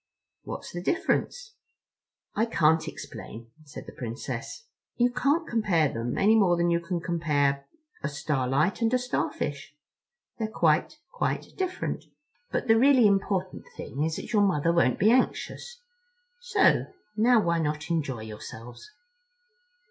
"What's the difference?" "I can't explain," said the Princess. "You can't compare them any more than you can compare a starlight and a starfish. They're quite, quite different. But the really important thing is that your Mother won't be anxious. So now why not enjoy yourselves?"